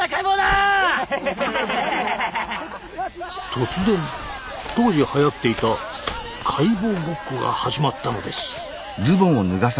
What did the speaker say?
突然当時はやっていた「解剖ごっこ」が始まったのです。